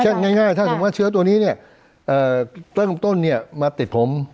ใช่ง่ายง่ายถ้าสมมติเชื้อตัวนี้เนี่ยต้นต้นเนี่ยมาติดผม